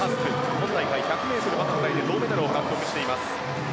今大会１００ｍバタフライで銅メダルを獲得しています。